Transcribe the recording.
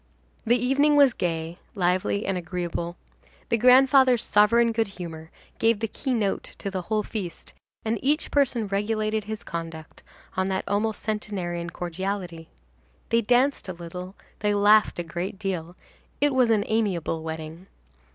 The evening was gay, lively and agreeable. The grandfather's sovereign good humor gave the key note to the whole feast, and each person regulated his conduct on that almost centenarian cordiality. They danced a little, they laughed a great deal; it was an amiable wedding.